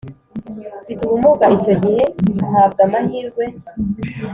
ufite ubumuga icyo gihe hahabwa amahirwe